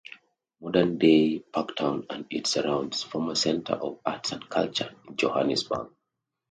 Modern-day Parktown and its surrounds form a centre of Arts and Culture in Johannesburg.